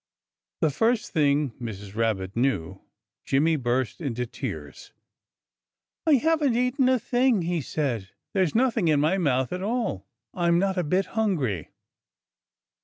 The first thing Mrs. Rabbit knew, Jimmy burst into tears. "I haven't eaten a thing!" he said. "There's nothing in my mouth at all. I'm not a bit hungry."